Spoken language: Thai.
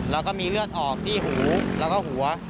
แล้วก็มีเลือดออกที่หูแล้วก็หัว